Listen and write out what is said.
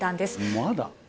まだ？